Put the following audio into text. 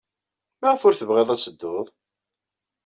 Maɣef ur tebɣiḍ ad tedduḍ?